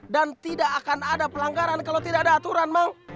dan tidak akan ada pelanggaran kalau tidak ada aturan mak